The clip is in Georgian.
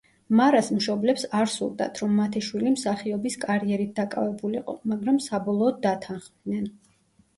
მარას მშობლებს არ სურდათ, რომ მათი შვილი მსახიობის კარიერით დაკავებულიყო, მაგრამ საბოლოოდ დათანხმდნენ.